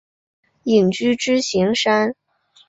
隐居支硎山。